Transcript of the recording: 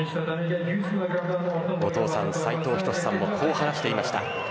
お父さん斉藤仁さんもこう話していました。